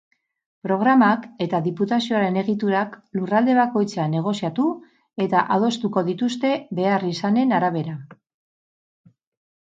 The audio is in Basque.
Programak eta diputazioaren egiturak lurralde bakoitzean negoziatu eta adostuko dituzte, beharrizanen arabera.